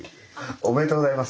おめでとうございます。